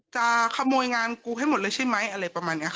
จะขโมยงานกูให้หมดเลยใช่ไหมอะไรประมาณนี้ค่ะ